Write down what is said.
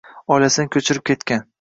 oilasini ko’chirib ketgan.